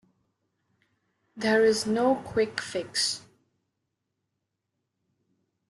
There is no quick fix.